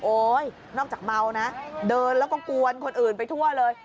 นอกจากเมานะเดินแล้วก็กวนคนอื่นไปทั่วเลย